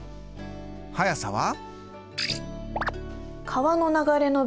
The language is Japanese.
速さは？